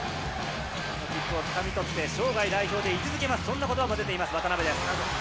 つかみ取って、生涯代表で居続けます、そんなことばも出ています、渡邊です。